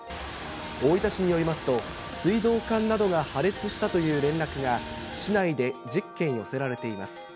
大分市によりますと、水道管などが破裂したという連絡が、市内で１０件寄せられています。